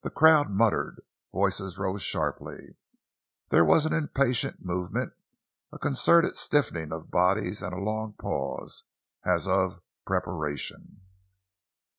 The crowd muttered; voices rose sharply; there was an impatient movement; a concerted stiffening of bodies and a long pause, as of preparation.